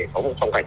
có một phong cách